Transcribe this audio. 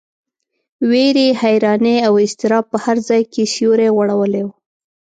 وېرې، حیرانۍ او اضطراب په هر ځای کې سیوری غوړولی و.